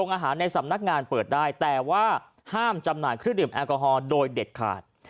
อาหารในสำนักงานเปิดได้แต่ว่าห้ามจำหน่ายเครื่องดื่มแอลกอฮอล์โดยเด็ดขาด